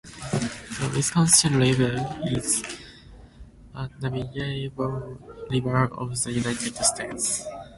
The Wisconsin River is a navigable river of the United States.